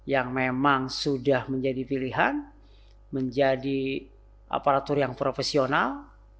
yang memang sudah menjadi pilihan menjadi aparatur yang profesional